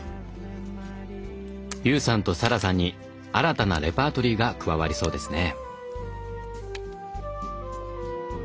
悠さんと咲来さんに新たなレパートリーが加わりそうですね。